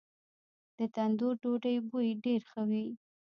د تندور ډوډۍ بوی ډیر ښه وي.